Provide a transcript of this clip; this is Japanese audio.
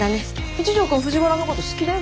一条くん藤原のこと好きだよ